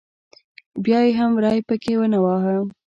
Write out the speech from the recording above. بیا یې هم ری پکې ونه واهه.